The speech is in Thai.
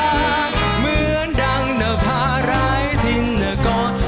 เหมือนดังหน้าฟ้าไร้ทิ้นนักก้อน